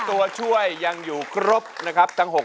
ตัวช่วยยังอยู่ครบนะครับ